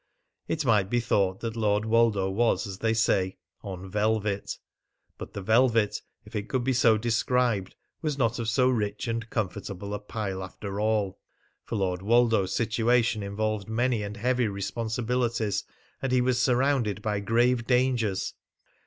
It might be thought that Lord Woldo was, as they say, on velvet. But the velvet, if it could be so described, was not of so rich and comfortable a pile after all; for Lord Woldo's situation involved many and heavy responsibilities, and was surrounded by grave dangers.